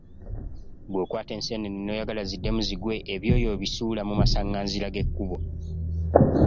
Bw'okwata enseenene n'oyagala ziddemu zigwe ebyoya obisuula mu masanganzira g'ekkubo.